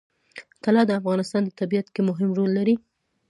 طلا د افغانستان په طبیعت کې مهم رول لري.